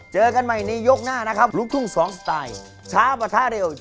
เจอกันใหม่ในยกหน้านะครับลูกทุ่ง๒สไตล์ช้าปะทะเร็ว